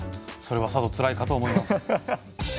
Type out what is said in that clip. それはさぞつらいかと思います。